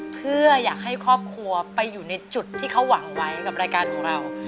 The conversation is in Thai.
เพื่ออยากให้ครอบครัวไปอยู่ในจุดที่เขาหวังไว้กับรายการของเรา